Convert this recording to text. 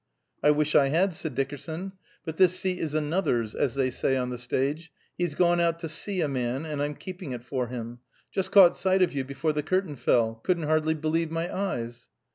"I wish I had," said Dickerson. "But this seat is 'another's,' as they say on the stage; he's gone out 'to see a man,' and I'm keeping it for him. Just caught sight of you before the curtain fell. Couldn't hardly believe my eyes."